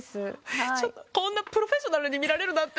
こんなプロフェッショナルに見られるなんて。